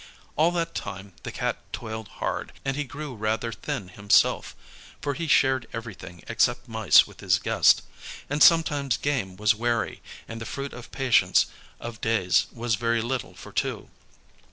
All that time the Cat toiled hard, and he grew rather thin himself, for he shared everything except mice with his guest; and sometimes game was wary, and the fruit of patience of days was very little for two.